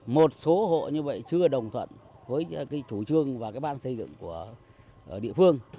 một số hộ như vậy chưa đồng thuận với chủ trương và cái ban xây dựng của địa phương